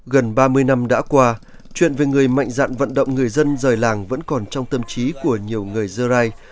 gần ba mươi năm đã qua chuyện về người mạnh dạn vận động người dân rời làng vẫn còn trong tâm trí của nhiều người dơ rai